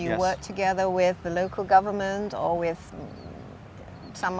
atau anda bekerja bersama dengan pemerintah lokal